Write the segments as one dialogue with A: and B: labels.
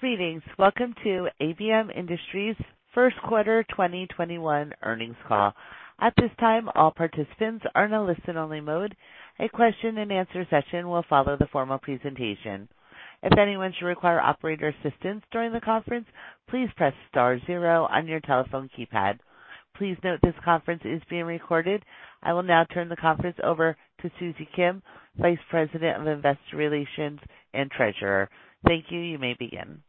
A: Greetings. Welcome to ABM Industries' first quarter 2021 earnings call. At this time all participants are in an only-listen mode. A question-and-answer session will follow the formal presentation. If anyone should require operator's assistance during the conference please press star zero on your telephone keypad. Please note that this conference is being recorded. I will now turn the conference over to Susie Kim, Vice President of Investor Relations and Treasurer. Thank you. You may begin.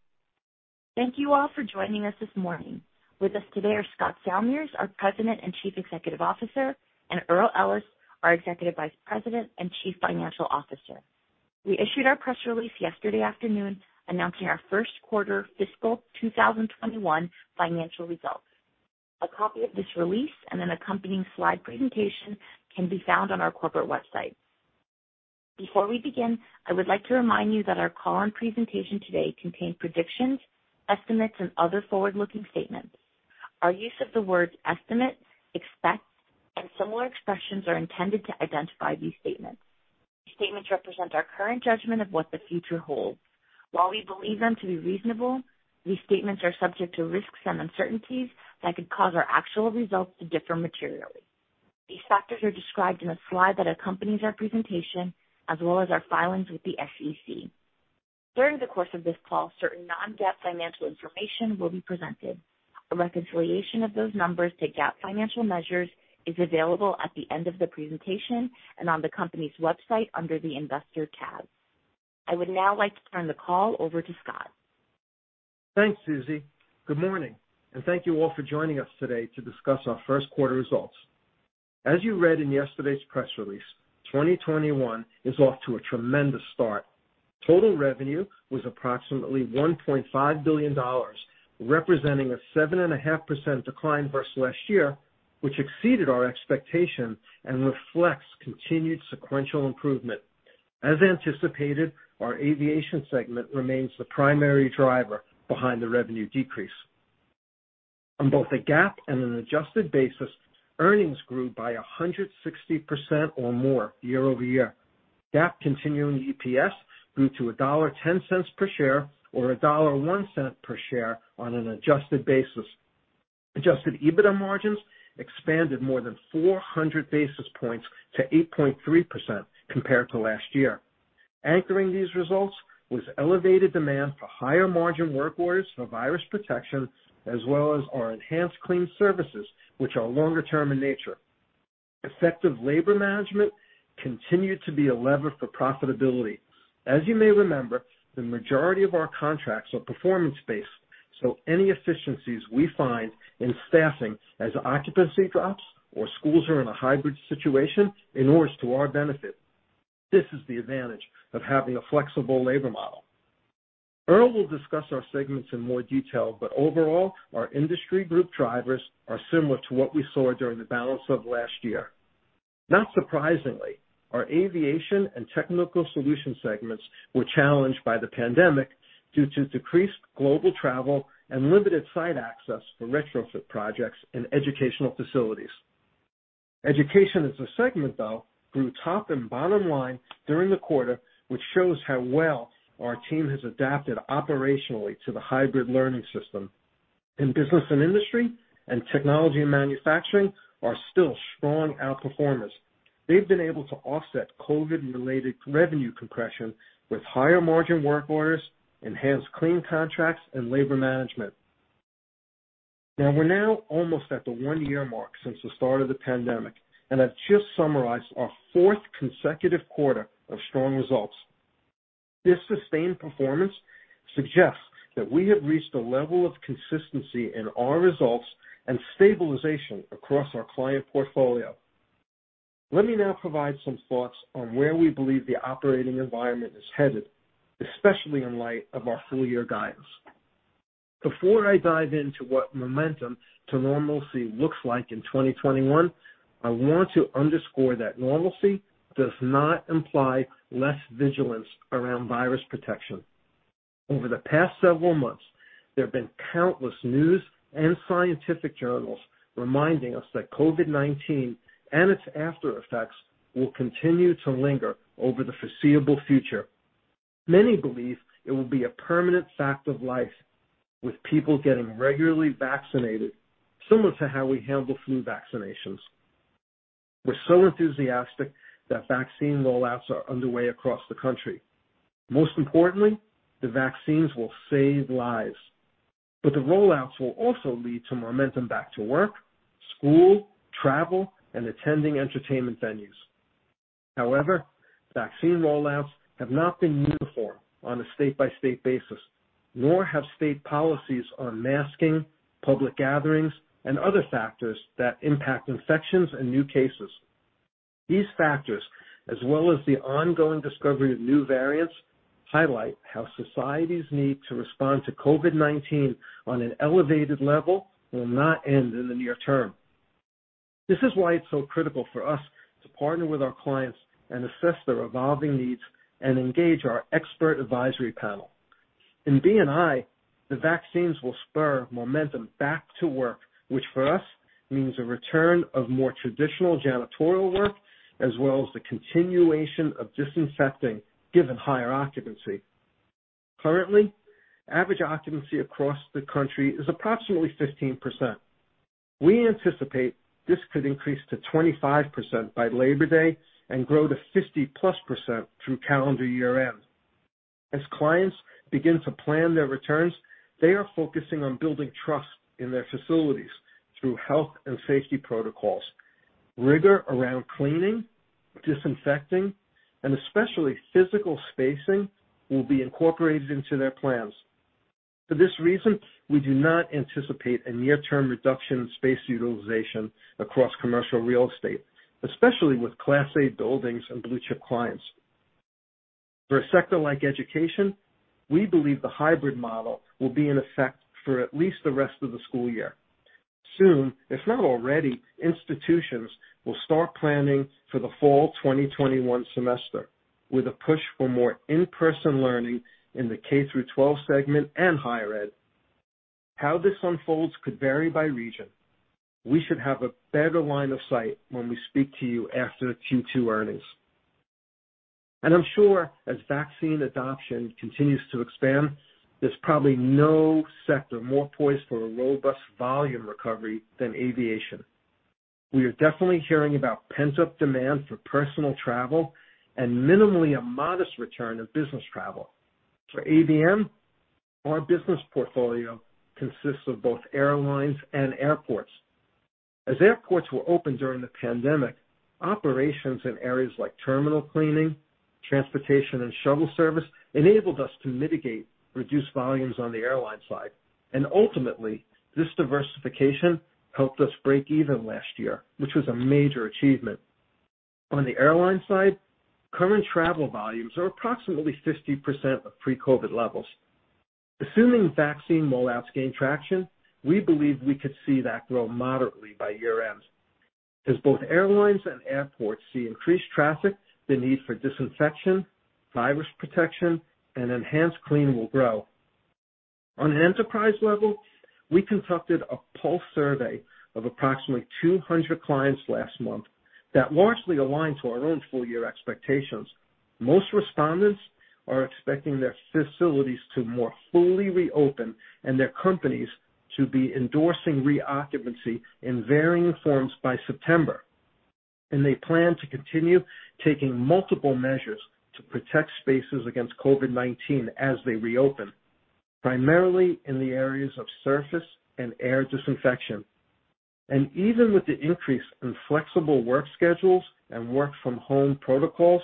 B: Thank you all for joining us this morning. With us today are Scott Salmirs, our President and Chief Executive Officer, and Earl Ellis, our Executive Vice President and Chief Financial Officer. We issued our press release yesterday afternoon announcing our first quarter fiscal 2021 financial results. A copy of this release and an accompanying slide presentation can be found on our corporate website. Before we begin, I would like to remind you that our call and presentation today contain predictions, estimates, and other forward-looking statements. Our use of the words estimates, expects, and similar expressions are intended to identify these statements. These statements represent our current judgment of what the future holds. While we believe them to be reasonable, these statements are subject to risks and uncertainties that could cause our actual results to differ materially. These factors are described in a slide that accompanies our presentation, as well as our filings with the SEC. During the course of this call, certain non-GAAP financial information will be presented. A reconciliation of those numbers to GAAP financial measures is available at the end of the presentation and on the company's website under the Investor tab. I would now like to turn the call over to Scott.
C: Thanks, Susie. Good morning, thank you all for joining us today to discuss our first quarter results. As you read in yesterday's press release, 2021 is off to a tremendous start. Total revenue was approximately $1.5 billion, representing a 7.5% decline versus last year, which exceeded our expectation and reflects continued sequential improvement. As anticipated, our Aviation segment remains the primary driver behind the revenue decrease. On both a GAAP and an adjusted basis, earnings grew by 160% or more year-over-year. GAAP continuing EPS grew to $1.10 per share or $1.01 per share on an adjusted basis. Adjusted EBITDA margins expanded more than 400 basis points to 8.3% compared to last year. Anchoring these results was elevated demand for higher margin work orders for virus protection as well as our EnhancedClean services, which are longer term in nature. Effective labor management continued to be a lever for profitability. As you may remember, the majority of our contracts are performance-based, so any efficiencies we find in staffing as occupancy drops or schools are in a hybrid situation inures to our benefit. This is the advantage of having a flexible labor model. Earl will discuss our segments in more detail. Overall, our industry group drivers are similar to what we saw during the balance of last year. Not surprisingly, our Aviation and Technical Solutions segments were challenged by the pandemic due to decreased global travel and limited site access for retrofit projects in educational facilities. Education as a segment, though, grew top and bottom line during the quarter, which shows how well our team has adapted operationally to the hybrid learning system. Business & Industry and Technology & Manufacturing are still strong outperformers. They've been able to offset COVID-related revenue compression with higher margin work orders, EnhancedClean contracts, and labor management. We're now almost at the one-year mark since the start of the pandemic, and I've just summarized our fourth consecutive quarter of strong results. This sustained performance suggests that we have reached a level of consistency in our results and stabilization across our client portfolio. Let me now provide some thoughts on where we believe the operating environment is headed, especially in light of our full year guidance. Before I dive into what momentum to normalcy looks like in 2021, I want to underscore that normalcy does not imply less vigilance around virus protection. Over the past several months, there have been countless news and scientific journals reminding us that COVID-19 and its aftereffects will continue to linger over the foreseeable future. Many believe it will be a permanent fact of life, with people getting regularly vaccinated similar to how we handle flu vaccinations. We're so enthusiastic that vaccine roll-outs are underway across the country. Most importantly, the vaccines will save lives. The roll-outs will also lead to momentum back to work, school, travel, and attending entertainment venues. Vaccine roll-outs have not been uniform on a state-by-state basis, nor have state policies on masking, public gatherings, and other factors that impact infections and new cases. These factors, as well as the ongoing discovery of new variants, highlight how societies need to respond to COVID-19 on an elevated level will not end in the near term. This is why it's so critical for us to partner with our clients and assess their evolving needs and engage our expert advisory panel. In B&I, the vaccines will spur momentum back to work, which for us, means a return of more traditional janitorial work, as well as the continuation of disinfecting, given higher occupancy. Currently, average occupancy across the country is approximately 15%. We anticipate this could increase to 25% by Labor Day and grow to 50%+ through calendar year-end. As clients begin to plan their returns, they are focusing on building trust in their facilities through health and safety protocols. Rigor around cleaning, disinfecting, and especially physical spacing will be incorporated into their plans. For this reason, we do not anticipate a near-term reduction in space utilization across commercial real estate, especially with Class A buildings and blue-chip clients. For a sector like education, we believe the hybrid model will be in effect for at least the rest of the school year. Soon, if not already, institutions will start planning for the fall 2021 semester, with a push for more in-person learning in the K through 12 segment and higher ed. How this unfolds could vary by region. We should have a better line of sight when we speak to you after the Q2 earnings. I'm sure as vaccine adoption continues to expand, there's probably no sector more poised for a robust volume recovery than aviation. We are definitely hearing about pent-up demand for personal travel and minimally a modest return of business travel. For ABM, our business portfolio consists of both airlines and airports. As airports were open during the pandemic, operations in areas like terminal cleaning, transportation, and shuttle service enabled us to mitigate reduced volumes on the airline side. Ultimately, this diversification helped us break even last year, which was a major achievement. On the airline side, current travel volumes are approximately 50% of pre-COVID levels. Assuming vaccine rollouts gain traction, we believe we could see that grow moderately by year-end. As both airlines and airports see increased traffic, the need for disinfection, virus protection, and enhanced cleaning will grow. On an enterprise level, we conducted a pulse survey of approximately 200 clients last month that largely aligned to our own full-year expectations. Most respondents are expecting their facilities to more fully reopen and their companies to be endorsing reoccupancy in varying forms by September. They plan to continue taking multiple measures to protect spaces against COVID-19 as they reopen, primarily in the areas of surface and air disinfection. Even with the increase in flexible work schedules and work from home protocols,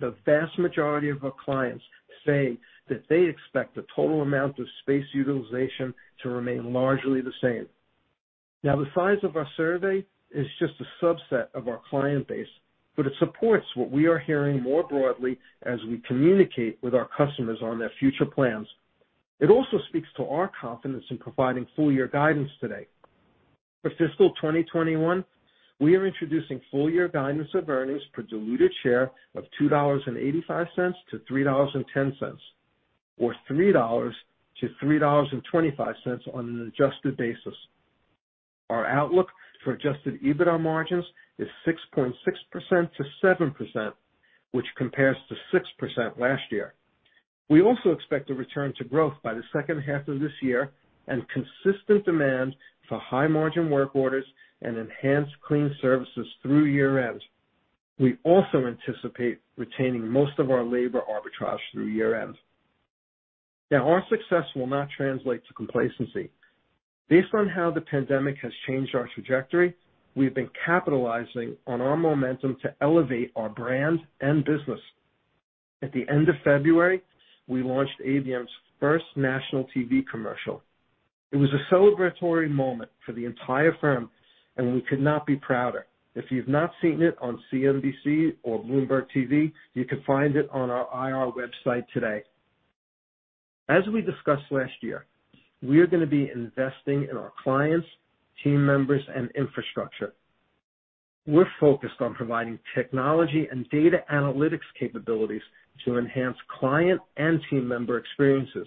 C: the vast majority of our clients say that they expect the total amount of space utilization to remain largely the same. The size of our survey is just a subset of our client base, but it supports what we are hearing more broadly as we communicate with our customers on their future plans. It also speaks to our confidence in providing full-year guidance today. For fiscal 2021, we are introducing full-year guidance of earnings per diluted share of $2.85-$3.10, or $3-$3.25 on an adjusted basis. Our outlook for adjusted EBITDA margins is 6.6%-7%, which compares to 6% last year. We also expect a return to growth by the second half of this year and consistent demand for high-margin work orders and EnhancedClean services through year-end. We also anticipate retaining most of our labor arbitrage through year-end. Now, our success will not translate to complacency. Based on how the pandemic has changed our trajectory, we've been capitalizing on our momentum to elevate our brand and business. At the end of February, we launched ABM's first national TV commercial. It was a celebratory moment for the entire firm, and we could not be prouder. If you've not seen it on CNBC or Bloomberg TV, you can find it on our IR website today. As we discussed last year, we are going to be investing in our clients, team members, and infrastructure. We're focused on providing technology and data analytics capabilities to enhance client and team member experiences.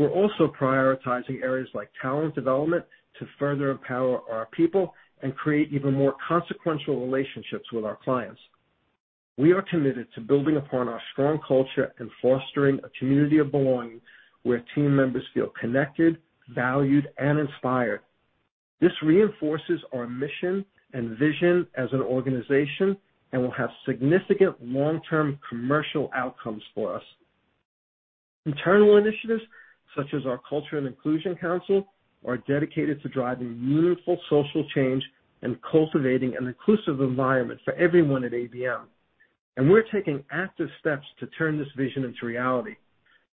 C: We're also prioritizing areas like talent development to further empower our people and create even more consequential relationships with our clients. We are committed to building upon our strong culture and fostering a community of belonging where team members feel connected, valued, and inspired. This reinforces our mission and vision as an organization and will have significant long-term commercial outcomes for us. Internal initiatives, such as our Culture & Inclusion Council, are dedicated to driving meaningful social change and cultivating an inclusive environment for everyone at ABM. We're taking active steps to turn this vision into reality.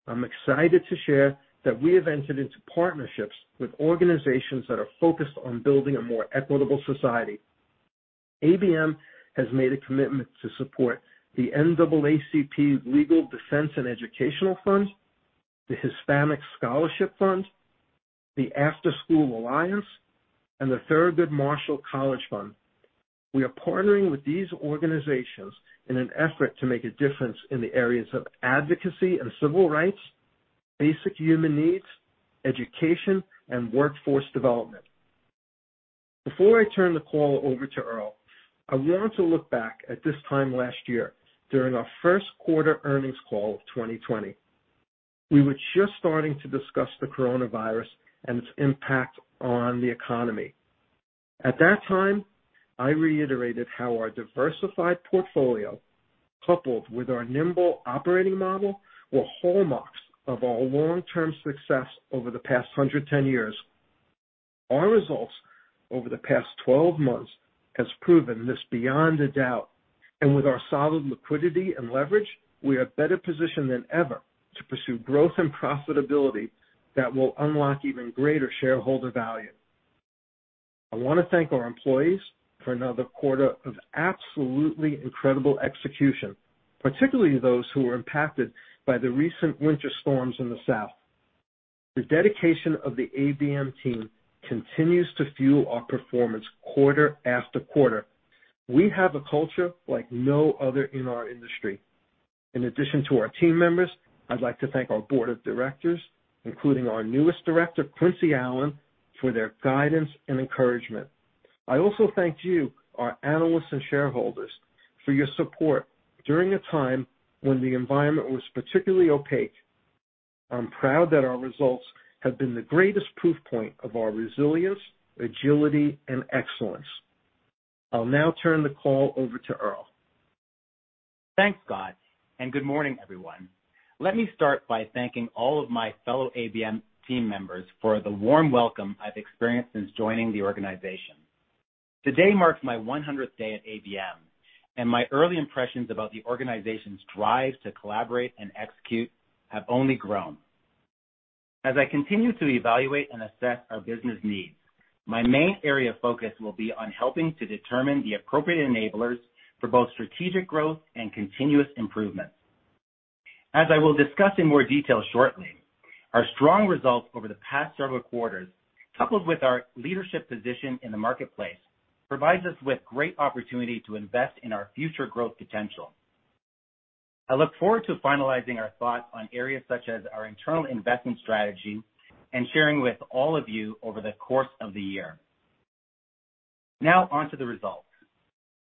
C: I'm excited to share that we have entered into partnerships with organizations that are focused on building a more equitable society. ABM has made a commitment to support the NAACP Legal Defense and Educational Fund, the Hispanic Scholarship Fund, the Afterschool Alliance, and the Thurgood Marshall College Fund. We are partnering with these organizations in an effort to make a difference in the areas of advocacy and civil rights, basic human needs, education, and workforce development. Before I turn the call over to Earl, I want to look back at this time last year during our first quarter earnings call of 2020. We were just starting to discuss the coronavirus and its impact on the economy. At that time, I reiterated how our diversified portfolio, coupled with our nimble operating model, were hallmarks of our long-term success over the past 110 years. Our results over the past 12 months has proven this beyond a doubt. With our solid liquidity and leverage, we are better positioned than ever to pursue growth and profitability that will unlock even greater shareholder value. I want to thank our employees for another quarter of absolutely incredible execution, particularly those who were impacted by the recent winter storms in the South. The dedication of the ABM team continues to fuel our performance quarter after quarter. We have a culture like no other in our industry. In addition to our team members, I'd like to thank our Board of Directors, including our newest director, Quincy Allen, for their guidance and encouragement. I also thank you, our analysts and shareholders, for your support during a time when the environment was particularly opaque. I'm proud that our results have been the greatest proof point of our resilience, agility, and excellence. I'll now turn the call over to Earl.
D: Thanks, Scott. Good morning, everyone. Let me start by thanking all of my fellow ABM team members for the warm welcome I've experienced since joining the organization. Today marks my 100th day at ABM. My early impressions about the organization's drive to collaborate and execute have only grown. As I continue to evaluate and assess our business needs, my main area of focus will be on helping to determine the appropriate enablers for both strategic growth and continuous improvement. As I will discuss in more detail shortly, our strong results over the past several quarters, coupled with our leadership position in the marketplace, provides us with great opportunity to invest in our future growth potential. I look forward to finalizing our thoughts on areas such as our internal investment strategy and sharing with all of you over the course of the year. Now on to the results.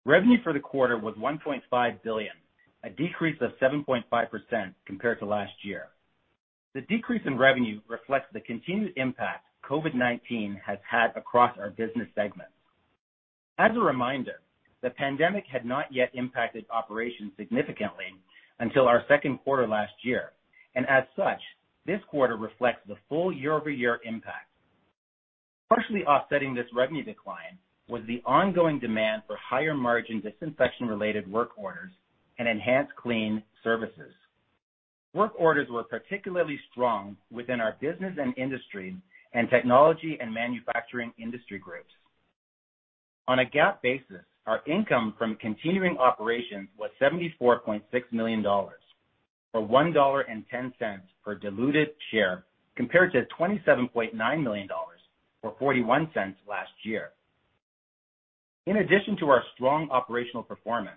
D: Revenue for the quarter was $1.5 billion, a decrease of 7.5% compared to last year. The decrease in revenue reflects the continued impact COVID-19 has had across our business segments. As a reminder, the pandemic had not yet impacted operations significantly until our second quarter last year, and as such, this quarter reflects the full year-over-year impact. Partially offsetting this revenue decline was the ongoing demand for higher margin disinfection-related work orders and EnhancedClean services. Work orders were particularly strong within our Business & Industry and Technology & Manufacturing industry groups. On a GAAP basis, our income from continuing operations was $74.6 million, or $1.10 per diluted share, compared to $27.9 million, or $0.41 last year. In addition to our strong operational performance,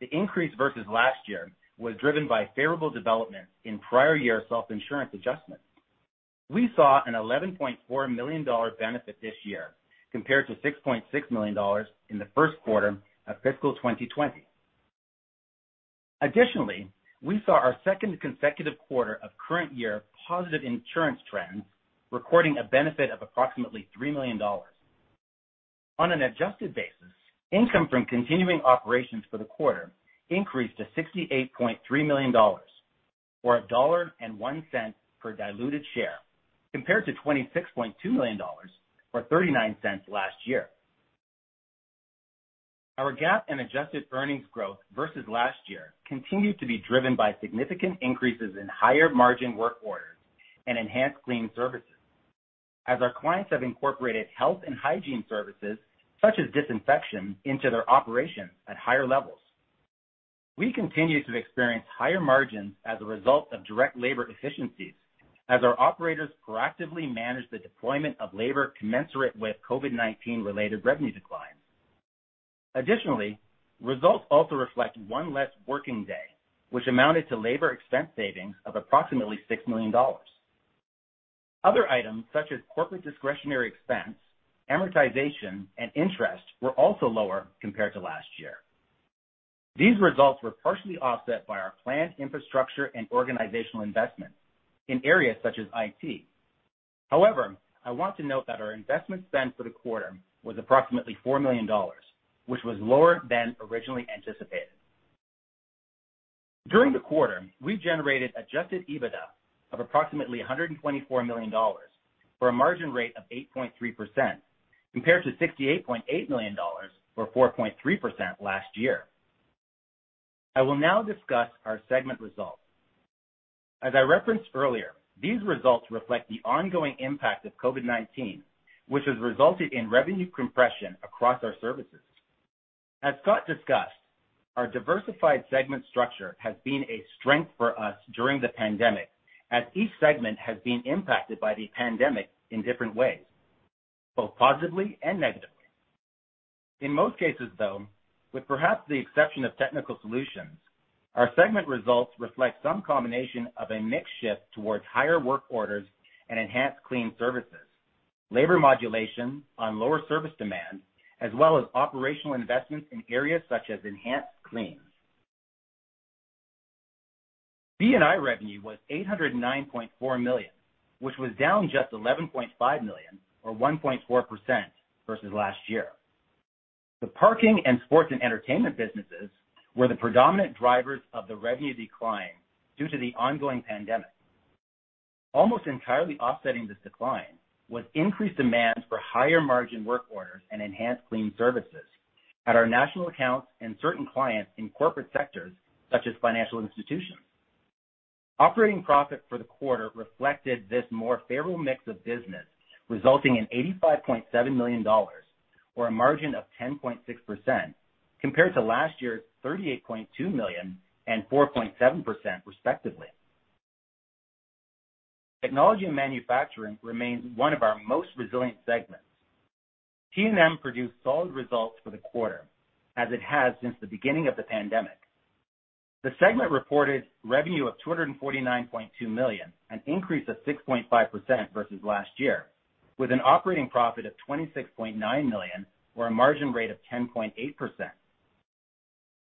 D: the increase versus last year was driven by favorable developments in prior year self-insurance adjustments. We saw an $11.4 million benefit this year compared to $6.6 million in the first quarter of fiscal 2020. Additionally, we saw our second consecutive quarter of current year positive insurance trends, recording a benefit of approximately $3 million. On an adjusted basis, income from continuing operations for the quarter increased to $68.3 million, or $1.01 per diluted share, compared to $26.2 million, or $0.39 last year. Our GAAP and adjusted earnings growth versus last year continued to be driven by significant increases in higher margin work orders and EnhancedClean services, as our clients have incorporated health and hygiene services, such as disinfection, into their operations at higher levels. We continue to experience higher margins as a result of direct labor efficiencies as our operators proactively manage the deployment of labor commensurate with COVID-19 related revenue declines. Additionally, results also reflect one less working day, which amounted to labor expense savings of approximately $6 million. Other items such as corporate discretionary expense, amortization, and interest were also lower compared to last year. These results were partially offset by our planned infrastructure and organizational investments in areas such as IT. However, I want to note that our investment spend for the quarter was approximately $4 million, which was lower than originally anticipated. During the quarter, we generated adjusted EBITDA of approximately $124 million, for a margin rate of 8.3%, compared to $68.8 million, or 4.3% last year. I will now discuss our segment results. As I referenced earlier, these results reflect the ongoing impact of COVID-19, which has resulted in revenue compression across our services. As Scott discussed, our diversified segment structure has been a strength for us during the pandemic, as each segment has been impacted by the pandemic in different ways, both positively and negatively. In most cases, though, with perhaps the exception of Technical Solutions, our segment results reflect some combination of a mix shift towards higher work orders and EnhancedClean services, labor modulation on lower service demand, as well as operational investments in areas such as EnhancedClean. B&I revenue was $809.4 million, which was down just $11.5 million, or 1.4% versus last year. The parking and sports and entertainment businesses were the predominant drivers of the revenue decline due to the ongoing pandemic. Almost entirely offsetting this decline was increased demand for higher margin work orders and EnhancedClean services at our national accounts and certain clients in corporate sectors such as financial institutions. Operating profit for the quarter reflected this more favorable mix of business, resulting in $85.7 million, or a margin of 10.6%, compared to last year's $38.2 million and 4.7% respectively. Technology & Manufacturing remains one of our most resilient segments. T&M produced solid results for the quarter, as it has since the beginning of the pandemic. The segment reported revenue of $249.2 million, an increase of 6.5% versus last year, with an operating profit of $26.9 million, or a margin rate of 10.8%.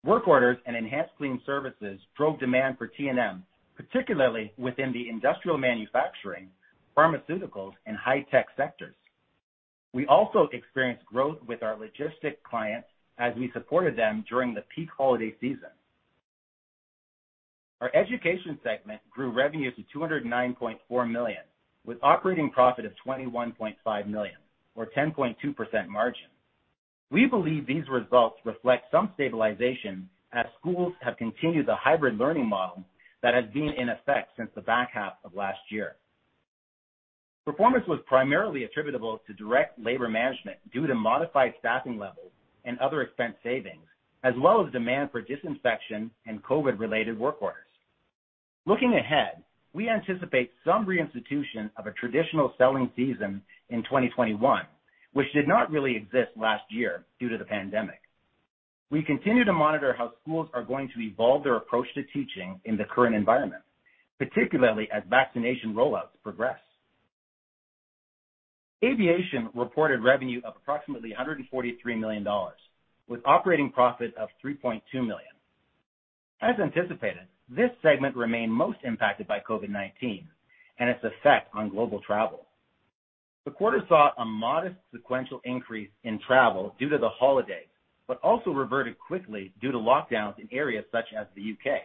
D: Work orders and EnhancedClean services drove demand for T&M, particularly within the industrial manufacturing, pharmaceuticals, and high-tech sectors. We also experienced growth with our logistic clients as we supported them during the peak holiday season. Our Education segment grew revenue to $209.4 million, with operating profit of $21.5 million, or 10.2% margin. We believe these results reflect some stabilization as schools have continued the hybrid learning model that has been in effect since the back half of last year. Performance was primarily attributable to direct labor management due to modified staffing levels and other expense savings, as well as demand for disinfection and COVID-related work orders. Looking ahead, we anticipate some reinstitution of a traditional selling season in 2021, which did not really exist last year due to the pandemic. We continue to monitor how schools are going to evolve their approach to teaching in the current environment, particularly as vaccination rollouts progress. Aviation reported revenue of approximately $143 million, with operating profit of $3.2 million. As anticipated, this segment remained most impacted by COVID-19 and its effect on global travel. The quarter saw a modest sequential increase in travel due to the holidays, but also reverted quickly due to lockdowns in areas such as the U.K.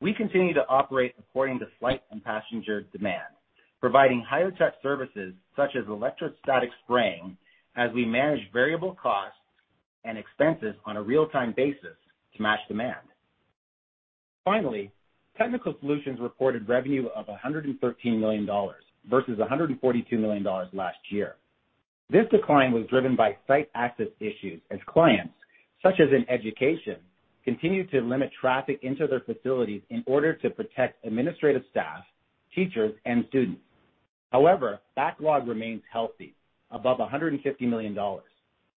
D: We continue to operate according to flight and passenger demand, providing higher tech services such as electrostatic spraying as we manage variable costs and expenses on a real-time basis to match demand. Finally, Technical Solutions reported revenue of $113 million versus $142 million last year. This decline was driven by site access issues as clients, such as in education, continued to limit traffic into their facilities in order to protect administrative staff, teachers, and students. Backlog remains healthy, above $150 million,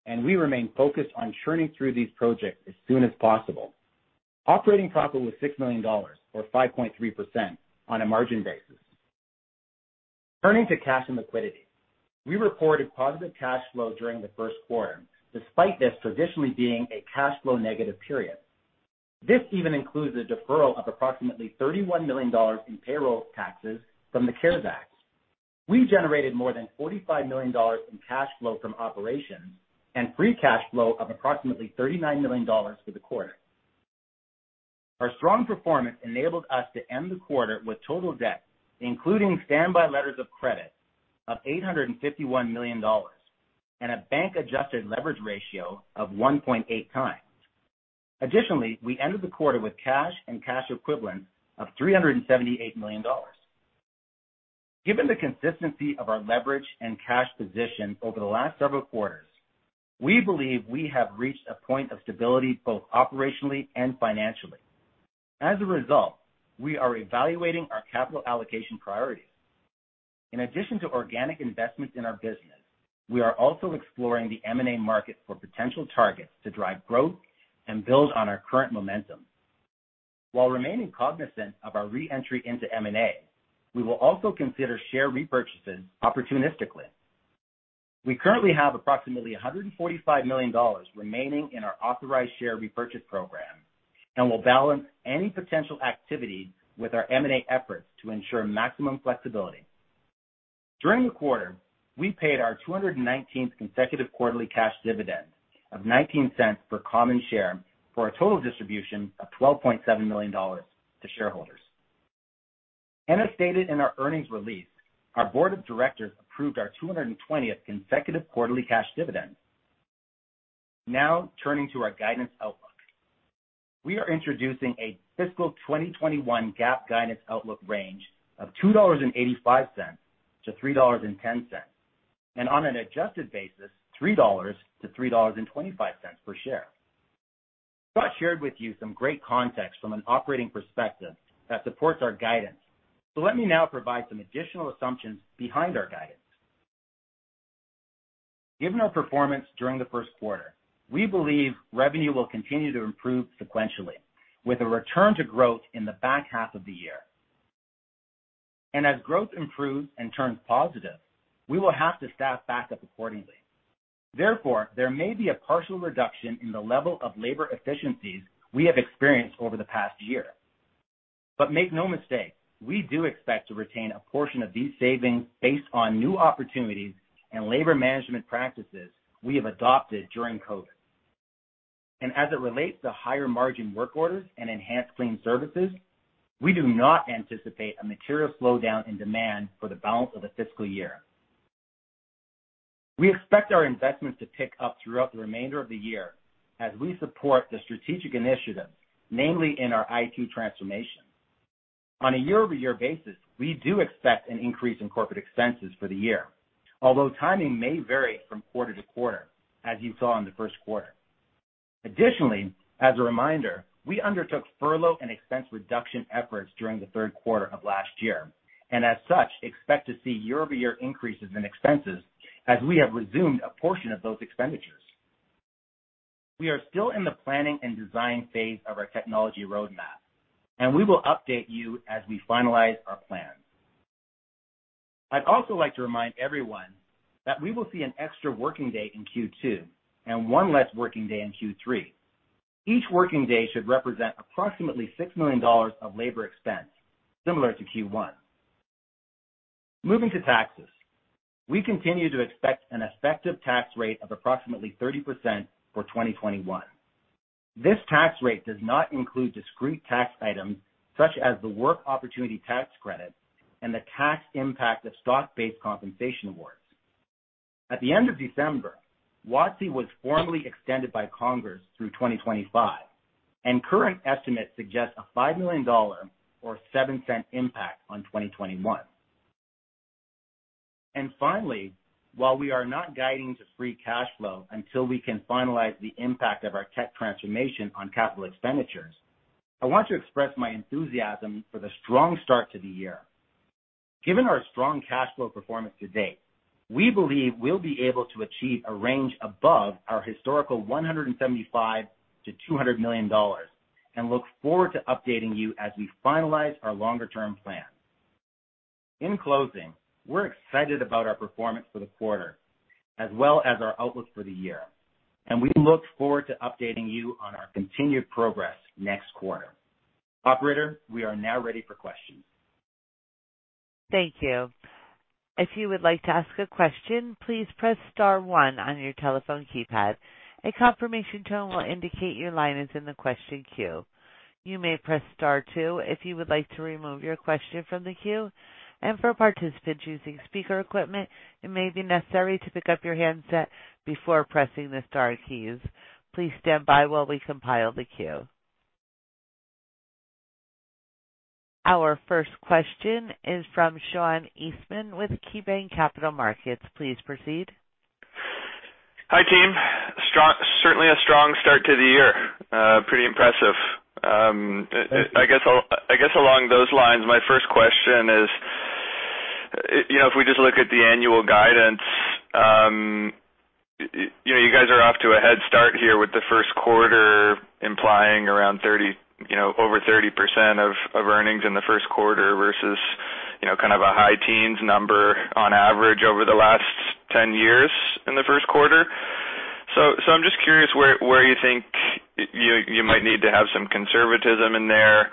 D: and we remain focused on churning through these projects as soon as possible. Operating profit was $6 million, or 5.3% on a margin basis. Turning to cash and liquidity. We reported positive cash flow during the first quarter, despite this traditionally being a cash flow negative period. This even includes a deferral of approximately $31 million in payroll taxes from the CARES Act. We generated more than $45 million in cash flow from operations and free cash flow of approximately $39 million for the quarter. Our strong performance enabled us to end the quarter with total debt, including standby letters of credit, of $851 million and a bank-adjusted leverage ratio of 1.8x. Additionally, we ended the quarter with cash and cash equivalents of $378 million. Given the consistency of our leverage and cash position over the last several quarters, we believe we have reached a point of stability both operationally and financially. As a result, we are evaluating our capital allocation priorities. In addition to organic investments in our business, we are also exploring the M&A market for potential targets to drive growth and build on our current momentum. While remaining cognizant of our re-entry into M&A, we will also consider share repurchases opportunistically. We currently have approximately $145 million remaining in our authorized share repurchase program and will balance any potential activity with our M&A efforts to ensure maximum flexibility. During the quarter, we paid our 219th consecutive quarterly cash dividend of $0.19 per common share for a total distribution of $12.7 million to shareholders. As stated in our earnings release, our Board of Directors approved our 220th consecutive quarterly cash dividend. Now turning to our guidance outlook. We are introducing a fiscal 2021 GAAP guidance outlook range of $2.85-$3.10. On an adjusted basis, $3-$3.25 per share. Scott shared with you some great context from an operating perspective that supports our guidance. Let me now provide some additional assumptions behind our guidance. Given our performance during the first quarter, we believe revenue will continue to improve sequentially, with a return to growth in the back half of the year. As growth improves and turns positive, we will have to staff back up accordingly. Therefore, there may be a partial reduction in the level of labor efficiencies we have experienced over the past year. Make no mistake, we do expect to retain a portion of these savings based on new opportunities and labor management practices we have adopted during COVID. As it relates to higher margin work orders and EnhancedClean services, we do not anticipate a material slowdown in demand for the balance of the fiscal year. We expect our investments to pick up throughout the remainder of the year as we support the strategic initiatives, namely in our IT transformation. On a year-over-year basis, we do expect an increase in corporate expenses for the year, although timing may vary from quarter to quarter as you saw in the first quarter. Additionally, as a reminder, we undertook furlough and expense reduction efforts during the third quarter of last year, and as such, expect to see year-over-year increases in expenses as we have resumed a portion of those expenditures. We are still in the planning and design phase of our technology roadmap, and we will update you as we finalize our plans. I'd also like to remind everyone that we will see an extra working day in Q2 and one less working day in Q3. Each working day should represent approximately $6 million of labor expense, similar to Q1. Moving to taxes, we continue to expect an effective tax rate of approximately 30% for 2021. This tax rate does not include discrete tax items such as the Work Opportunity Tax Credit and the tax impact of stock-based compensation awards. At the end of December, WOTC was formally extended by Congress through 2025. Current estimates suggest a $5 million or $0.07 impact on 2021. Finally, while we are not guiding to free cash flow until we can finalize the impact of our tech transformation on capital expenditures, I want to express my enthusiasm for the strong start to the year. Given our strong cash flow performance to date, we believe we'll be able to achieve a range above our historical $175 million-$200 million and look forward to updating you as we finalize our longer-term plan. In closing, we're excited about our performance for the quarter as well as our outlook for the year, and we look forward to updating you on our continued progress next quarter. Operator, we are now ready for questions.
A: Thank you. If you would like to ask a question, please press star one on your telephone keypad. A confirmation tone will indicate your line is in the question queue. You may press star two if you would like to remove your question from the queue, and for participants using speaker equipment, it may be necessary to pick up your handset before pressing the star keys. Please stand by while we compile the queue. Our first question is from Sean Eastman with KeyBanc Capital Markets. Please proceed.
E: Hi, team. Certainly a strong start to the year. Pretty impressive.
C: Thank you.
E: I guess along those lines, my first question is, if we just look at the annual guidance, you guys are off to a head start here with the first quarter implying over 30% of earnings in the first quarter versus kind of a high teens number on average over the last 10 years in the first quarter. I'm just curious where you think you might need to have some conservatism in there,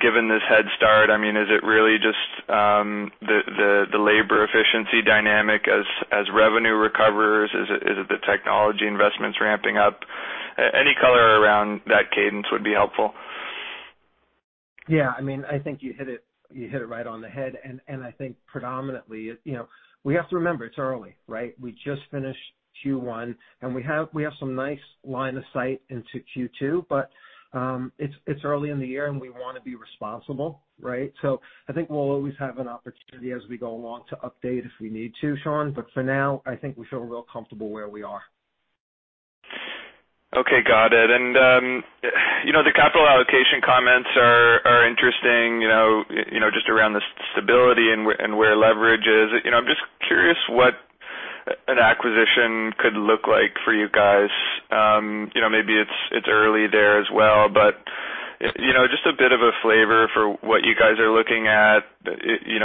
E: given this head start. Is it really just the labor efficiency dynamic as revenue recovers? Is it the technology investments ramping up? Any color around that cadence would be helpful.
C: Yeah, I think you hit it right on the head, and I think predominantly, we have to remember it's early, right? We just finished Q1, and we have some nice line of sight into Q2, but it's early in the year, and we want to be responsible, right? I think we'll always have an opportunity as we go along to update if we need to, Sean, but for now, I think we feel real comfortable where we are.
E: Okay, got it. The capital allocation comments are interesting just around the stability and where leverage is. I'm just curious what an acquisition could look like for you guys. Maybe it's early there as well, but just a bit of a flavor for what you guys are looking at,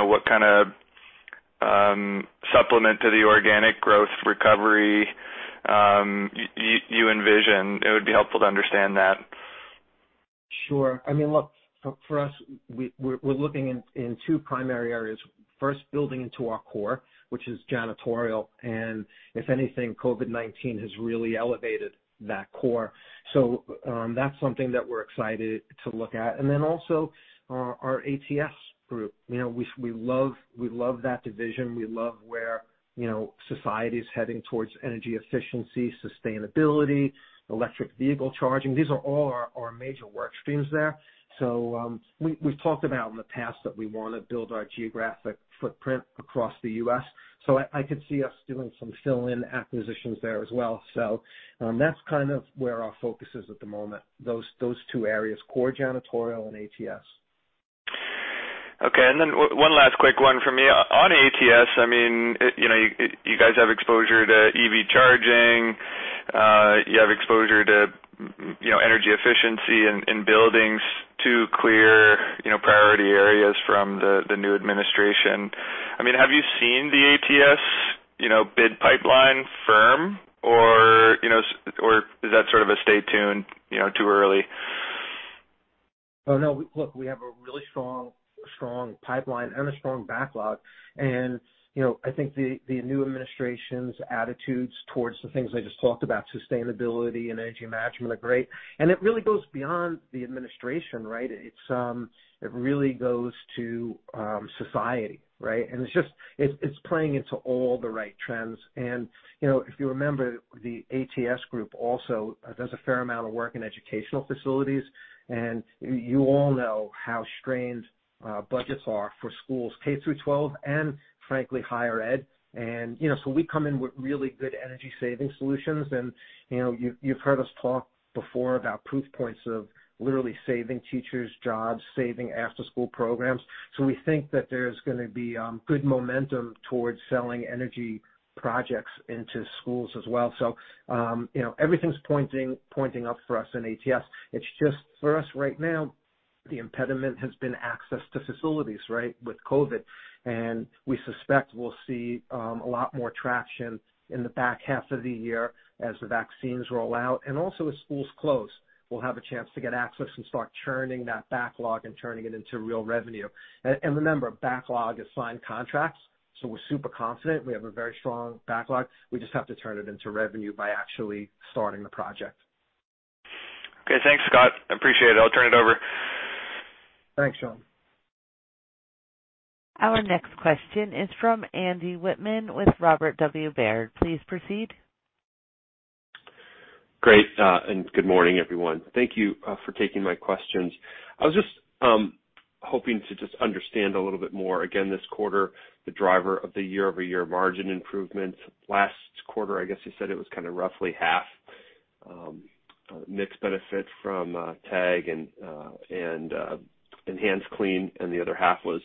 E: what kind of supplement to the organic growth recovery you envision. It would be helpful to understand that.
C: Sure. Look, for us, we're looking in two primary areas. First, building into our core, which is janitorial, and if anything, COVID-19 has really elevated that core. That's something that we're excited to look at. Also our ATS group. We love that division. We love where society's heading towards energy efficiency, sustainability, electric vehicle charging. These are all our major work streams there. We've talked about in the past that we want to build our geographic footprint across the U.S., so I could see us doing some fill-in acquisitions there as well. That's kind of where our focus is at the moment, those two areas, core janitorial and ATS.
E: Okay. One last quick one from me. On ATS, you guys have exposure to EV charging. You have exposure to energy efficiency in buildings, two clear priority areas from the new administration. Have you seen the ATS bid pipeline firm, or is that sort of a stay tuned, too early?
C: Oh, no. Look, we have a really strong pipeline and a strong backlog. I think the new administration's attitudes towards the things I just talked about, sustainability and energy management, are great, and it really goes beyond the administration, right? It really goes to society, right? It's playing into all the right trends. If you remember, the ATS group also does a fair amount of work in educational facilities, and you all know how strained budgets are for schools K through 12 and, frankly, higher ed. We come in with really good energy saving solutions. You've heard us talk before about proof points of literally saving teachers' jobs, saving after-school programs. We think that there's going to be good momentum towards selling energy projects into schools as well. Everything's pointing up for us in ATS. It's just for us right now, the impediment has been access to facilities with COVID. We suspect we'll see a lot more traction in the back half of the year as the vaccines roll out. Also as schools close, we'll have a chance to get access and start churning that backlog and turning it into real revenue. Remember, backlog is signed contracts, so we're super confident. We have a very strong backlog. We just have to turn it into revenue by actually starting the project.
E: Okay. Thanks, Scott. I appreciate it. I'll turn it over.
C: Thanks, Sean.
A: Our next question is from Andy Wittmann with Robert W. Baird. Please proceed.
F: Great, good morning, everyone. Thank you for taking my questions. I was just hoping to just understand a little bit more. Again, this quarter, the driver of the year-over-year margin improvements. Last quarter, I guess you said it was kind of roughly half mixed benefit from tag and EnhancedClean, and the other half was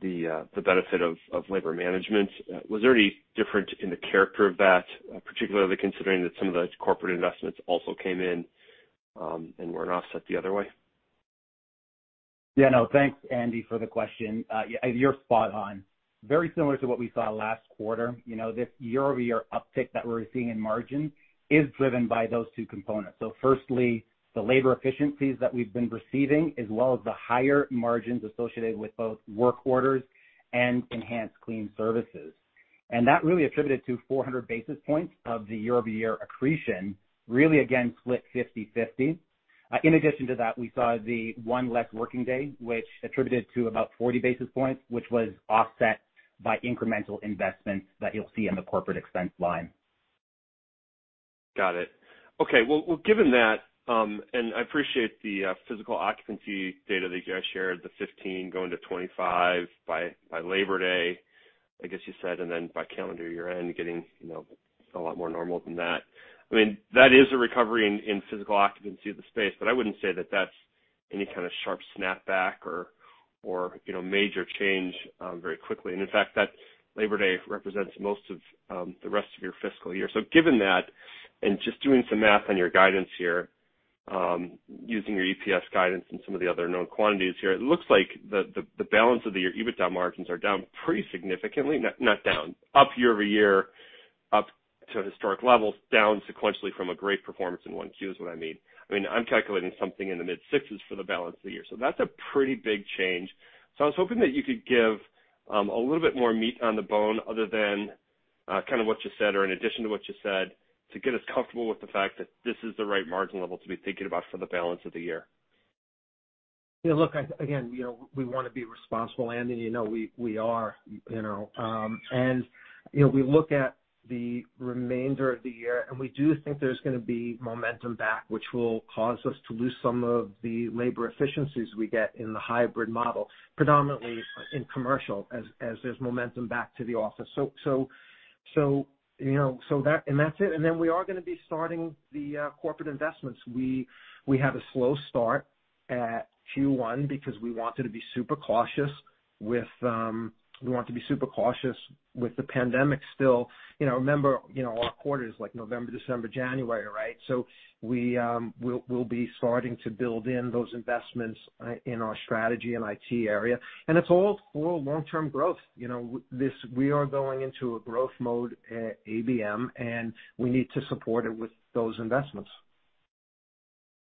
F: the benefit of labor management. Was there any different in the character of that, particularly considering that some of the corporate investments also came in and weren't offset the other way?
D: Yeah, no. Thanks, Andy, for the question. You're spot on. Very similar to what we saw last quarter. This year-over-year uptick that we're seeing in margin is driven by those two components. Firstly, the labor efficiencies that we've been receiving, as well as the higher margins associated with both work orders and EnhancedClean services. That really attributed to 400 basis points of the year-over-year accretion, really, again, split 50/50. In addition to that, we saw the one less working day, which attributed to about 40 basis points, which was offset by incremental investments that you'll see in the corporate expense line.
F: Got it. Okay. Well, given that, and I appreciate the physical occupancy data that you guys shared, the 15 going to 25 by Labor Day, I guess you said, and then by calendar year-end getting a lot more normal than that. I wouldn't say that that's any kind of sharp snapback or major change very quickly. In fact, that Labor Day represents most of the rest of your fiscal year. Given that, and just doing some math on your guidance here, using your EPS guidance and some of the other known quantities here, it looks like the balance of the year EBITDA margins are down pretty significantly. Not down. Up year-over-year, up to historic levels, down sequentially from a great performance in Q1 is what I mean. I'm calculating something in the mid-sixes for the balance of the year. That's a pretty big change. I was hoping that you could give a little bit more meat on the bone other than kind of what you said or in addition to what you said to get us comfortable with the fact that this is the right margin level to be thinking about for the balance of the year.
C: Look, again, we want to be responsible, Andy, and we are. We look at the remainder of the year, and we do think there's going to be momentum back, which will cause us to lose some of the labor efficiencies we get in the hybrid model, predominantly in commercial, as there's momentum back to the office. That's it. Then we are going to be starting the corporate investments. We have a slow start at Q1 because we wanted to be super cautious with the pandemic still. Remember, our quarter is like November, December, January, right? We'll be starting to build in those investments in our strategy and IT area. It's all for long-term growth. We are going into a growth mode at ABM, and we need to support it with those investments.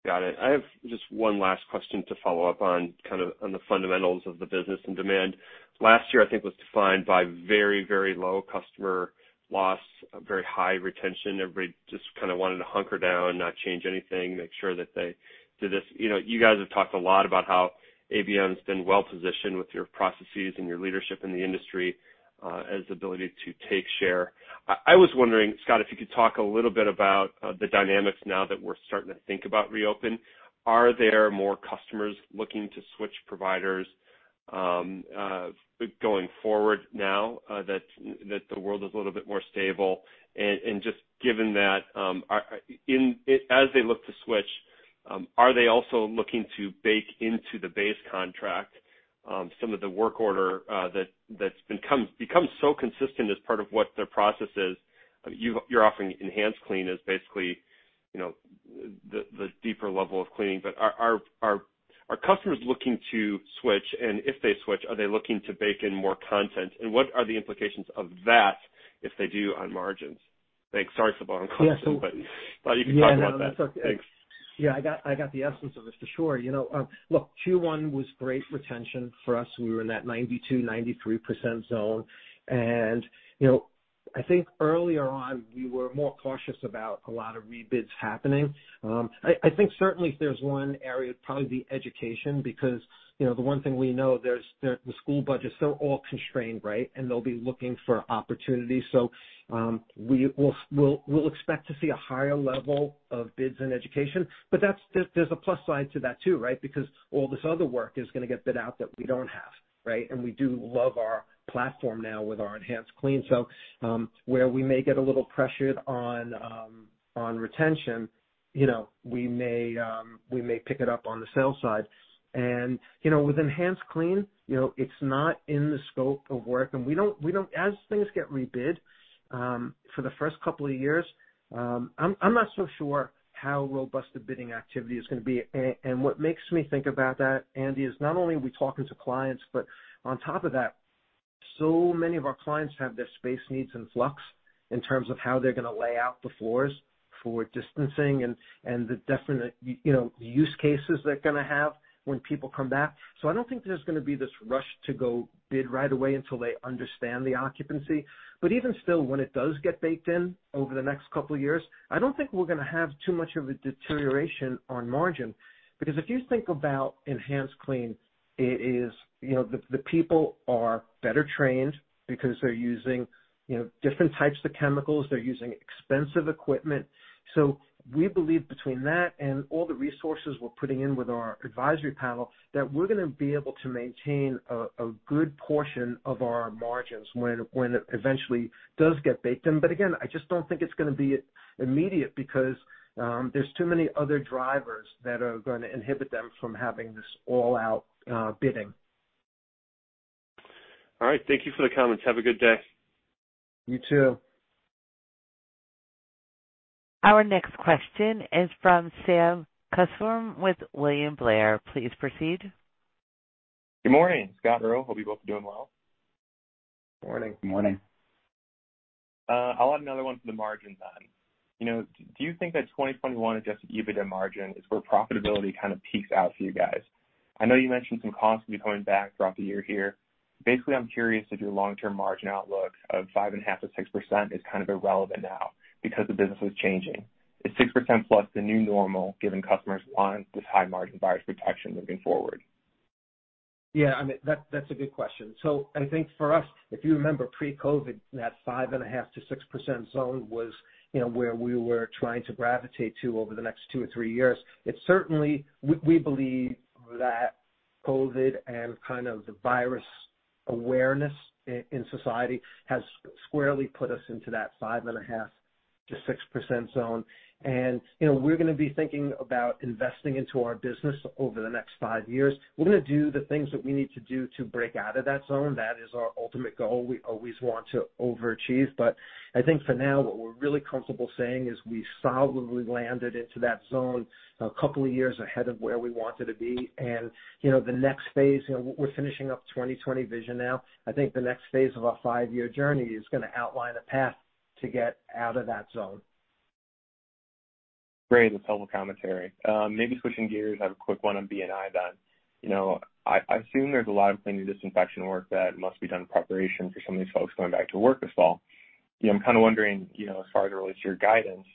F: Got it. I have just one last question to follow up on, kind of on the fundamentals of the business and demand. Last year, I think, was defined by very low customer loss, very high retention. Everybody just kind of wanted to hunker down, not change anything, make sure that they did this. You guys have talked a lot about how ABM's been well-positioned with your processes and your leadership in the industry as ability to take share. I was wondering, Scott, if you could talk a little bit about the dynamics now that we're starting to think about reopen. Are there more customers looking to switch providers, going forward now that the world is a little bit more stable? Just given that, as they look to switch, are they also looking to bake into the base contract some of the work order that's become so consistent as part of what their process is? You're offering EnhancedClean as basically, the deeper level of cleaning. Are customers looking to switch, and if they switch, are they looking to bake in more content? What are the implications of that if they do on margins? Thanks. Sorry it's a long question, but thought you could talk about that. Thanks.
C: Yeah, I got the essence of this for sure. Q1 was great retention for us. We were in that 92%, 93% zone. I think earlier on we were more cautious about a lot of rebids happening. I think certainly if there's one area, it'd probably be education because, the one thing we know, the school budgets, they're all constrained, right? They'll be looking for opportunities. We'll expect to see a higher level of bids in education. There's a plus side to that too, right? All this other work is going to get bid out that we don't have, right? We do love our platform now with our EnhancedClean. Where we may get a little pressured on retention, we may pick it up on the sales side. With EnhancedClean, it's not in the scope of work. As things get rebid, for the first couple of years, I'm not so sure how robust the bidding activity is going to be. What makes me think about that, Andy, is not only are we talking to clients, but on top of that, so many of our clients have their space needs in flux in terms of how they're going to lay out the floors for distancing and the definite use cases they're going to have when people come back. I don't think there's going to be this rush to go bid right away until they understand the occupancy. Even still, when it does get baked in over the next couple of years, I don't think we're going to have too much of a deterioration on margin. Because if you think about EnhancedClean, the people are better trained because they're using different types of chemicals. They're using expensive equipment. We believe between that and all the resources we're putting in with our advisory panel, that we're going to be able to maintain a good portion of our margins when it eventually does get baked in. Again, I just don't think it's going to be immediate because, there's too many other drivers that are going to inhibit them from having this all-out bidding.
F: All right. Thank you for the comments. Have a good day.
C: You too.
A: Our next question is from Sam Kusswurm with William Blair. Please proceed.
G: Good morning, Scott, Earl. Hope you both are doing well.
C: Morning.
D: Morning.
G: I'll add another one for the margins then. Do you think that 2021 adjusted EBITDA margin is where profitability kind of peaks out for you guys? I know you mentioned some costs will be coming back throughout the year here. Basically, I'm curious if your long-term margin outlook of 5.5%-6% is kind of irrelevant now because the business is changing. Is 6%+ the new normal, given customers want this high margin virus protection moving forward?
C: That's a good question. I think for us, if you remember pre-COVID, that 5.5%-6% zone was where we were trying to gravitate to over the next two or three years. We believe that COVID and kind of the virus awareness in society has squarely put us into that 5.5%-6% zone. We're going to be thinking about investing into our business over the next five years. We're going to do the things that we need to do to break out of that zone. That is our ultimate goal. We always want to overachieve. I think for now, what we're really comfortable saying is we solidly landed into that zone a couple of years ahead of where we wanted to be. The next phase, we're finishing up 2020 Vision now. I think the next phase of our five-year journey is going to outline a path to get out of that zone.
G: Great. That's helpful commentary. Maybe switching gears, I have a quick one on B&I then. I assume there's a lot of cleaning disinfection work that must be done in preparation for some of these folks going back to work this fall. I'm kind of wondering, as far as it relates to your guidance,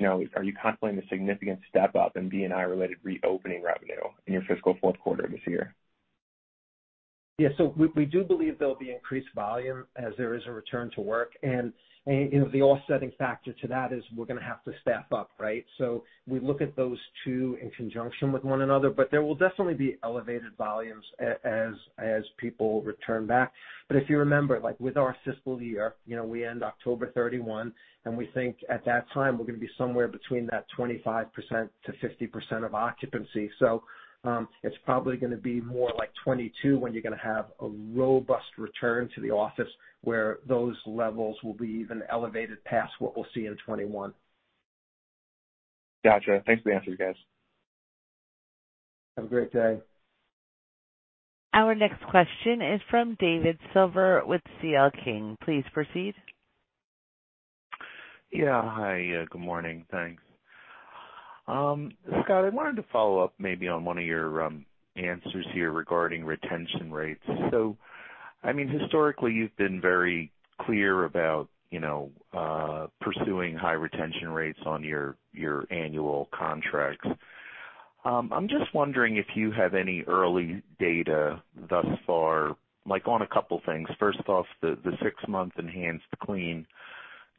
G: are you contemplating a significant step up in B&I related reopening revenue in your fiscal fourth quarter this year?
C: Yeah. We do believe there'll be increased volume as there is a return to work. The offsetting factor to that is we're going to have to staff up, right? We look at those two in conjunction with one another, but there will definitely be elevated volumes as people return back. If you remember, like with our fiscal year, we end October 31, and we think at that time, we're going to be somewhere between that 25%-50% of occupancy. It's probably going to be more like 2022 when you're going to have a robust return to the office where those levels will be even elevated past what we'll see in 2021.
G: Got you. Thanks for the answer, guys.
C: Have a great day.
A: Our next question is from David Silver with C.L. King. Please proceed.
H: Yeah. Hi, good morning. Thanks. Scott, I wanted to follow up maybe on one of your answers here regarding retention rates. Historically, you've been very clear about pursuing high retention rates on your annual contracts. I'm just wondering if you have any early data thus far, on a couple of things. First off, the six-month EnhancedClean contracts.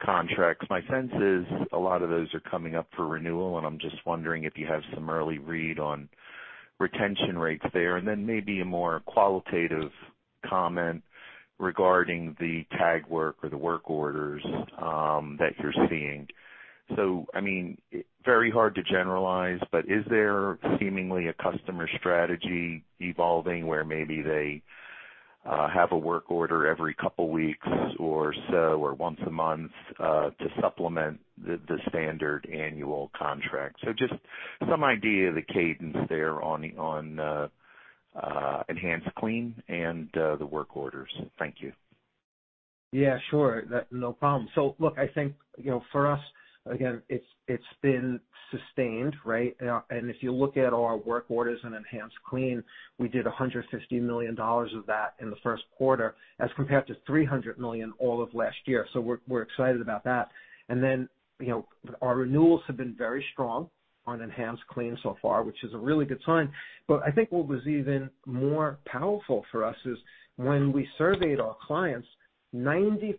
H: My sense is a lot of those are coming up for renewal, and I'm just wondering if you have some early read on retention rates there, and then maybe a more qualitative comment regarding the tag work or the work orders that you're seeing. Very hard to generalize, but is there seemingly a customer strategy evolving where maybe they have a work order every couple of weeks or so, or once a month, to supplement the standard annual contract? just some idea of the cadence there on the EnhancedClean and the work orders. Thank you.
C: Yeah, sure. No problem. Look, I think, for us, again, it's been sustained, right? If you look at our work orders and EnhancedClean, we did $150 million of that in the first quarter as compared to $300 million all of last year. We're excited about that. Our renewals have been very strong on EnhancedClean so far, which is a really good sign. I think what was even more powerful for us is when we surveyed our clients, 90%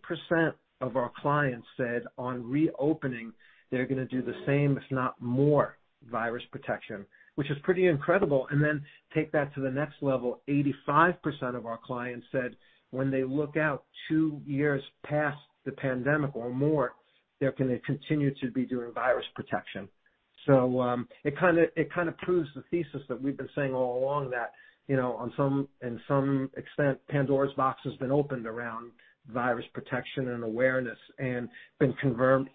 C: of our clients said on reopening, they're going to do the same, if not more virus protection, which is pretty incredible. Take that to the next level, 85% of our clients said when they look out two years past the pandemic or more, they're going to continue to be doing virus protection. It kind of proves the thesis that we've been saying all along that, in some extent, Pandora's Box has been opened around virus protection and awareness and been confirmed.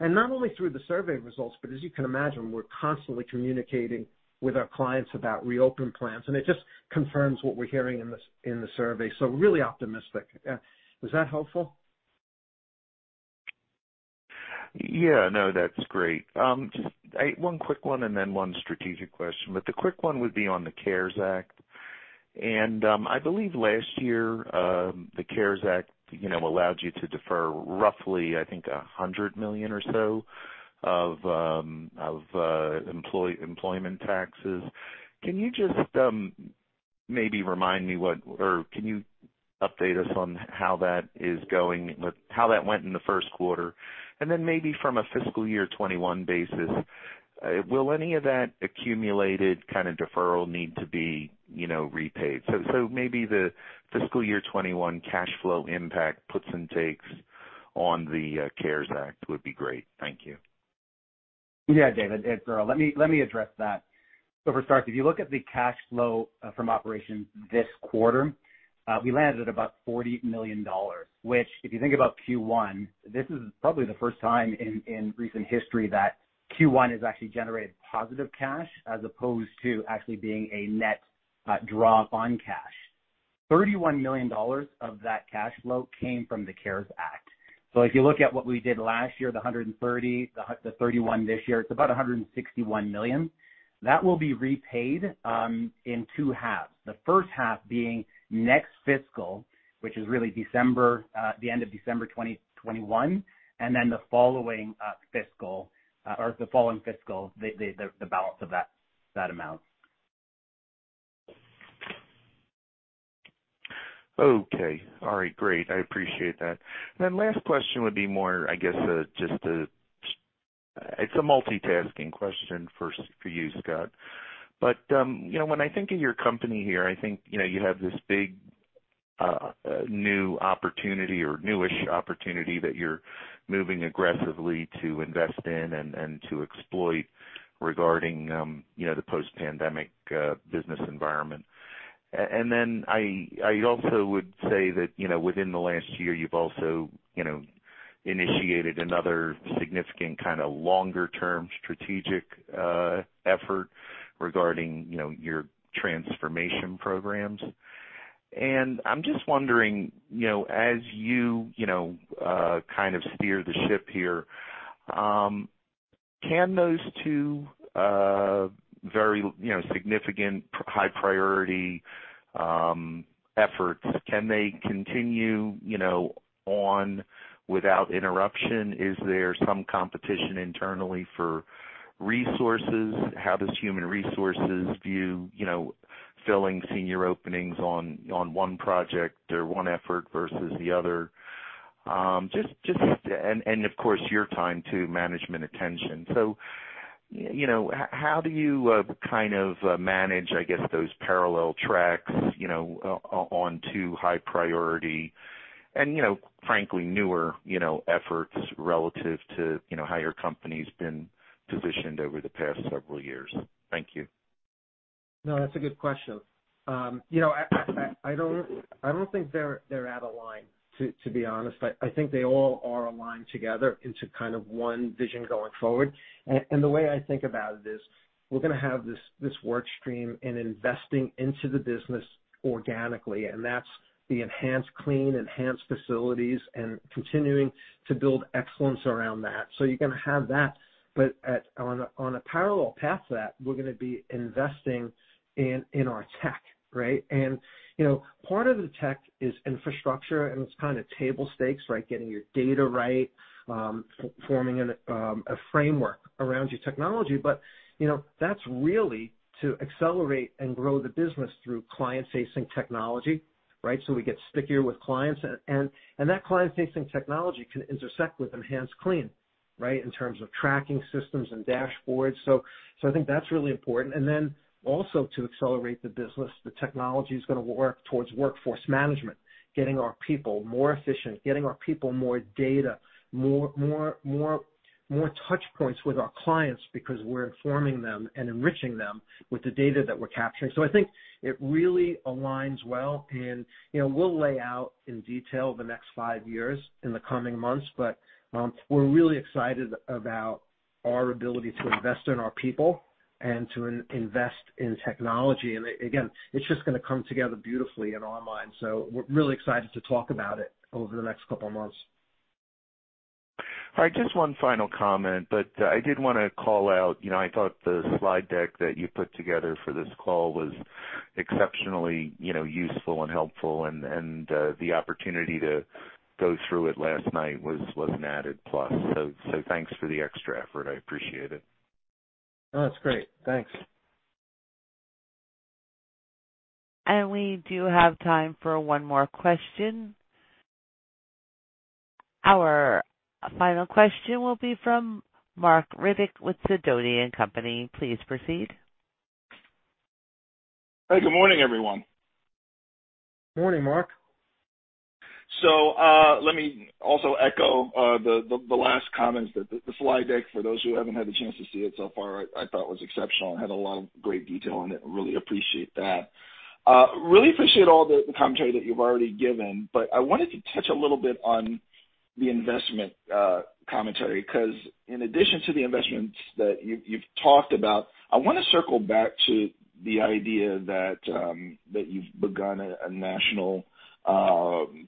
C: Not only through the survey results, but as you can imagine, we're constantly communicating with our clients about reopen plans, and it just confirms what we're hearing in the survey. We're really optimistic. Yeah. Was that helpful?
H: Yeah, no, that's great. Just one quick one and then one strategic question, the quick one would be on the CARES Act. I believe last year, the CARES Act allowed you to defer roughly, I think, $100 million or so of employment taxes. Can you just maybe remind me or can you update us on how that is going with how that went in the first quarter? Maybe from a fiscal 2021 basis, will any of that accumulated kind of deferral need to be repaid? Maybe the fiscal 2021 cash flow impact, puts and takes on the CARES Act would be great. Thank you.
D: Yeah, David. Sure. Let me address that. For starters, if you look at the cash flow from operations this quarter, we landed at about $40 million, which if you think about Q1, this is probably the first time in recent history that Q1 has actually generated positive cash as opposed to actually being a net drop on cash. $31 million of that cash flow came from the CARES Act. If you look at what we did last year, the $130 million, the $31 million this year, it's about $161 million. That will be repaid in two halves. The first half being next fiscal, which is really the end of December 2021, and then the following fiscal, the balance of that amount.
H: Okay. All right, great. I appreciate that. Last question would be more, I guess just a multitasking question first for you, Scott. When I think of your company here, I think you have this big new opportunity or newish opportunity that you're moving aggressively to invest in and to exploit regarding the post-pandemic business environment. I also would say that within the last year, you've also initiated another significant kind of longer-term strategic effort regarding your transformation programs. I'm just wondering, as you kind of steer the ship here, can those two very significant high priority efforts, can they continue on without interruption? Is there some competition internally for resources? How does human resources view filling senior openings on one project or one effort versus the other? Of course, your time too, management attention? How do you kind of manage, I guess, those parallel tracks on two high priority and frankly newer efforts relative to how your company's been positioned over the past several years? Thank you.
C: No, that's a good question. I don't think they're out of line, to be honest. I think they all are aligned together into kind of one vision going forward. The way I think about it is, we're going to have this work stream and investing into the business organically, and that's the EnhancedClean, enhanced facilities, and continuing to build excellence around that. You're going to have that. On a parallel path to that, we're going to be investing in our tech, right? Part of the tech is infrastructure, and it's kind of table stakes, right? Getting your data right, forming a framework around your technology. That's really to accelerate and grow the business through client-facing technology, right? We get stickier with clients. That client-facing technology can intersect with EnhancedClean, right, in terms of tracking systems and dashboards. I think that's really important. Also to accelerate the business, the technology's going to work towards workforce management, getting our people more efficient, getting our people more data, more touch points with our clients because we're informing them and enriching them with the data that we're capturing. I think it really aligns well, and we'll lay out in detail the next five years in the coming months, but we're really excited about our ability to invest in our people and to invest in technology. Again, it's just going to come together beautifully and online. We're really excited to talk about it over the next couple of months.
H: All right. Just one final comment, I did want to call out, I thought the slide deck that you put together for this call was exceptionally useful and helpful, and the opportunity to go through it last night was an added plus. Thanks for the extra effort. I appreciate it.
C: Oh, that's great. Thanks.
A: We do have time for one more question. Our final question will be from Marc Riddick with Sidoti & Company. Please proceed.
I: Hey, good morning, everyone.
C: Morning, Marc.
I: Let me also echo the last comments. The slide deck, for those who haven't had the chance to see it so far, I thought was exceptional and had a lot of great detail in it. Really appreciate that. Really appreciate all the commentary that you've already given, but I wanted to touch a little bit on the investment commentary, because in addition to the investments that you've talked about, I want to circle back to the idea that you've begun a national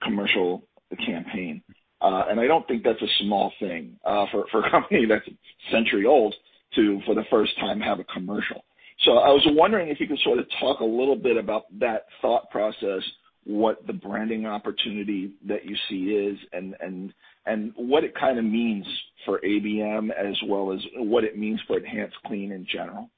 I: commercial campaign. I don't think that's a small thing for a company that's a century old to, for the first time, have a commercial. I was wondering if you could sort of talk a little bit about that thought process, what the branding opportunity that you see is, and what it kind of means for ABM as well as what it means for EnhancedClean in general.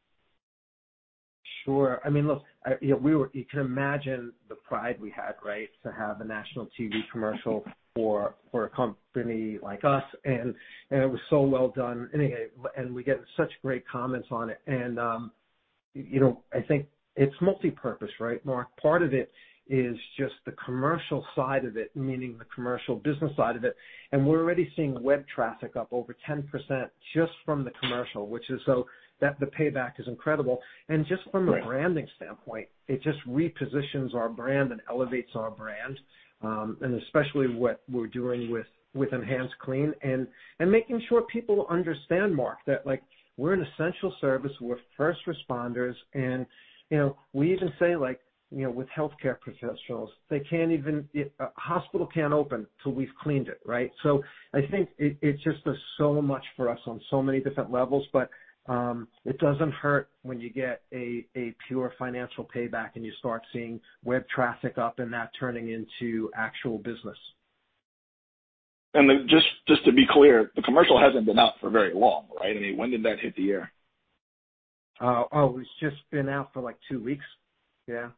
C: Sure. I mean, look, you can imagine the pride we had, right? To have a national TV commercial for a company like us, and it was so well done anyway, and we get such great comments on it. I think it's multipurpose, right, Marc? Part of it is just the commercial side of it, meaning the commercial business side of it. We're already seeing web traffic up over 10% just from the commercial. The payback is incredible. Just from a branding standpoint, it just repositions our brand and elevates our brand. Especially what we're doing with EnhancedClean and making sure people understand, Marc, that we're an essential service. We're first responders, and we even say with healthcare professionals, a hospital can't open till we've cleaned it, right? I think it just does so much for us on so many different levels. It doesn't hurt when you get a pure financial payback and you start seeing web traffic up and that turning into actual business.
I: Just to be clear, the commercial hasn't been out for very long, right? I mean, when did that hit the air?
C: Oh, it's just been out for, like, two weeks. Yeah.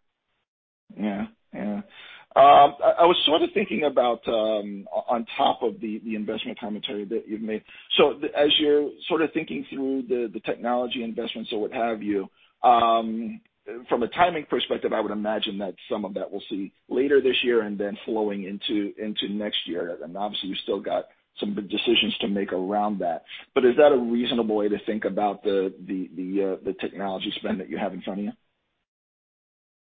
I: I was sort of thinking about on top of the investment commentary that you've made. As you're sort of thinking through the technology investments or what have you, from a timing perspective, I would imagine that some of that we'll see later this year and then flowing into next year. Obviously you still got some big decisions to make around that. Is that a reasonable way to think about the technology spend that you have in front of you?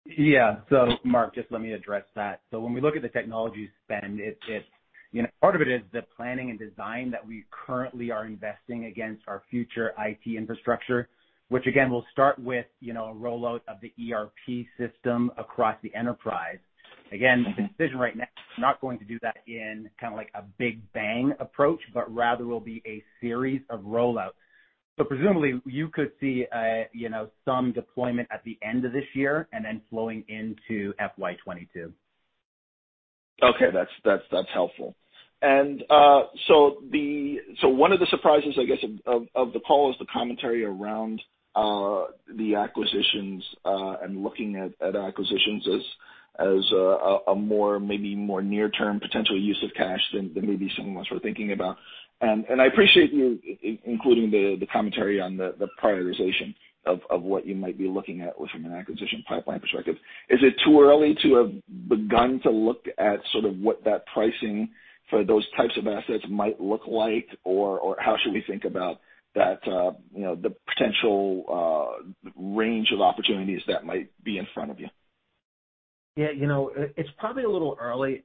D: Yeah. Marc, just let me address that. When we look at the technology spend, part of it is the planning and design that we currently are investing against our future IT infrastructure, which again will start with a rollout of the ERP system across the enterprise. Again, the decision right now is we're not going to do that in kind of like a big bang approach, but rather will be a series of rollouts. Presumably you could see some deployment at the end of this year and then flowing into FY 2022.
I: Okay, that's helpful. One of the surprises, I guess, of the call is the commentary around the acquisitions, and looking at acquisitions as a more, maybe more near-term potential use of cash than maybe some of us were thinking about. I appreciate you including the commentary on the prioritization of what you might be looking at from an acquisition pipeline perspective. Is it too early to have begun to look at sort of what that pricing for those types of assets might look like, or how should we think about the potential range of opportunities that might be in front of you?
C: It's probably a little early,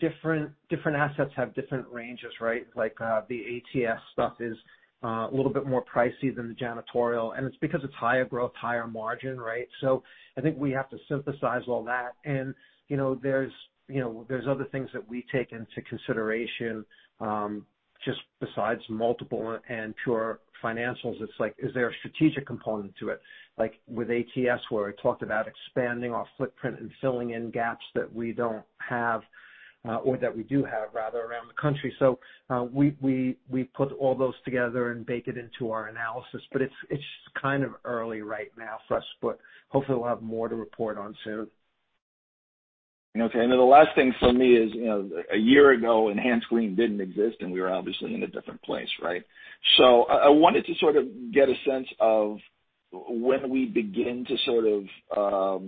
C: different assets have different ranges, right? Like the ATS stuff is a little bit more pricey than the janitorial, and it's because it's higher growth, higher margin, right? I think we have to synthesize all that. There's other things that we take into consideration, just besides multiple and pure financials. It's like, is there a strategic component to it? Like with ATS, where I talked about expanding our footprint and filling in gaps that we don't have, or that we do have rather, around the country. We put all those together and bake it into our analysis. It's kind of early right now for us, but hopefully we'll have more to report on soon.
I: Okay. The last thing for me is, a year ago, EnhancedClean didn't exist, and we were obviously in a different place, right? I wanted to sort of get a sense of when we begin to sort of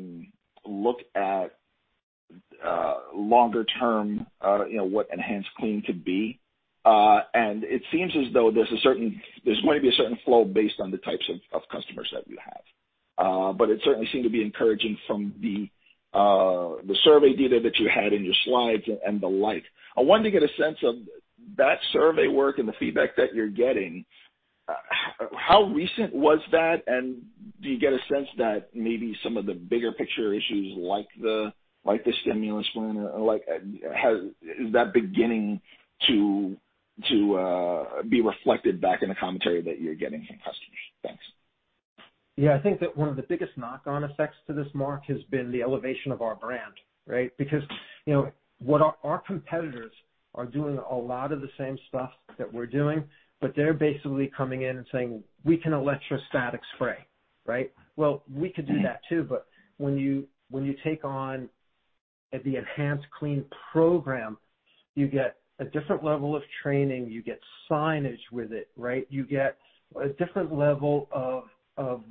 I: look at longer term, what EnhancedClean could be. It seems as though there's maybe a certain flow based on the types of customers that you have. It certainly seemed to be encouraging from the survey data that you had in your slides and the like. I wanted to get a sense of that survey work and the feedback that you're getting. How recent was that, and do you get a sense that maybe some of the bigger picture issues like the stimulus plan, is that beginning to be reflected back in the commentary that you're getting from customers? Thanks.
C: Yeah. I think that one of the biggest knock-on effects to this, Marc, has been the elevation of our brand, right? Our competitors are doing a lot of the same stuff that we're doing, but they're basically coming in and saying, "We can electrostatic spray," right? Well, we could do that too, but when you take on the EnhancedClean program, you get a different level of training. You get signage with it, right? You get a different level of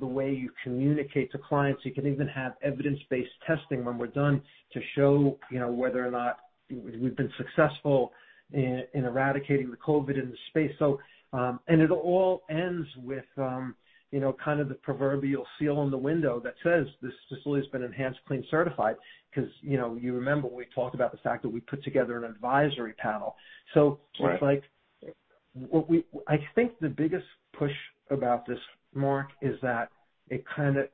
C: the way you communicate to clients. You can even have evidence-based testing when we're done to show whether or not we've been successful in eradicating the COVID-19 in the space. It all ends with kind of the proverbial seal on the window that says, "This facility's been EnhancedClean certified." You remember, we talked about the fact that we put together an advisory panel.
I: Right.
C: I think the biggest push about this, Marc, is that it kind of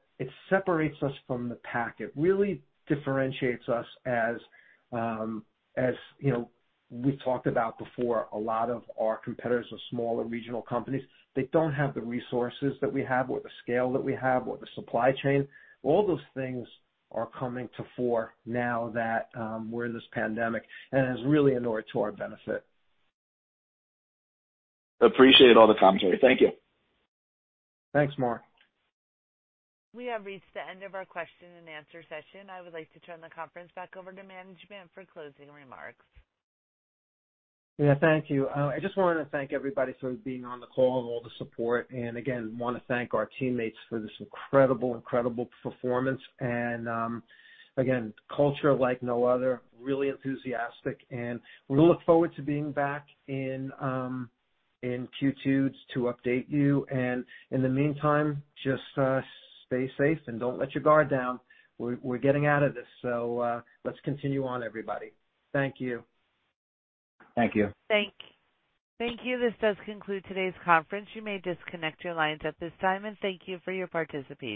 C: separates us from the pack. It really differentiates us. As we talked about before, a lot of our competitors are smaller regional companies. They don't have the resources that we have or the scale that we have or the supply chain. All those things are coming to fore now that we're in this pandemic, and it is really in our benefit.
I: Appreciate all the commentary. Thank you.
C: Thanks, Marc.
A: We have reached the end of our question and answer session. I would like to turn the conference back over to management for closing remarks.
C: Yeah. Thank you. I just wanted to thank everybody for being on the call and all the support. Again, want to thank our teammates for this incredible performance. Again, culture like no other. Really enthusiastic, and we look forward to being back in Q2 to update you. In the meantime, just stay safe and don't let your guard down. We're getting out of this. Let's continue on, everybody. Thank you.
I: Thank you.
A: Thank you. This does conclude today's conference. You may disconnect your lines at this time, and thank you for your participation.